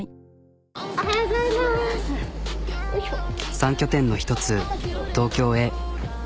３拠点の１つ東京へ。